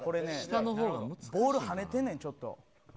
ボールはねてんねん、ちょっと。